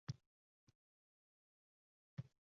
O’rmonlari mozor bo’lgan Rossiya